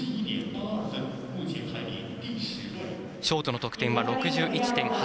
ショートの得点は６１．８２。